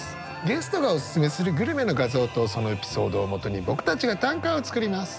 ゲストがオススメするグルメの画像とそのエピソードをもとに僕たちが短歌を作ります。